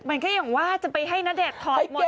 มันก็อย่างว่าจะไปให้หน้าเด็ดขอบหมด